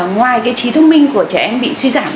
ngoài cái trí thông minh của trẻ em bị suy giảm